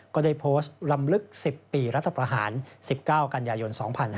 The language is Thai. ก็ได้โพสต์รำลึกสิบปีรัฐประหาร๑๙กรณญาโจร๒๕๔๙